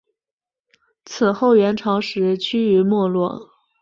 此后元朝时趋于没落。